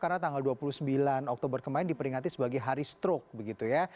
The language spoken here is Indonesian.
karena tanggal dua puluh sembilan oktober kemarin diperingati sebagai hari stroke begitu ya